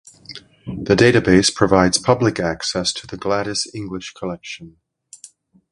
The database provides public access to the Gladys English Collection.